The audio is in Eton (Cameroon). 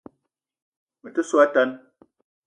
Me te so a tan